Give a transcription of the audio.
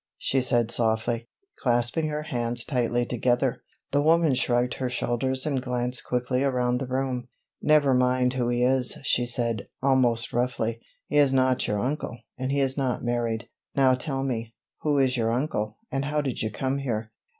she said softly, clasping her hands tightly together. The woman shrugged her shoulders and glanced quickly around the room. "Never mind who he is," she said, almost roughly. "He is not your uncle, and he is not married. Now tell me, who is your uncle, and how did you come here?"